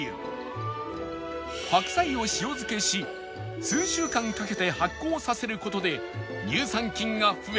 白菜を塩漬けし数週間かけて発酵させる事で